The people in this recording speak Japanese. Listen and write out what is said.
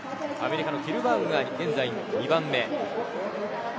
アメリカのキルバーグが現在２番目。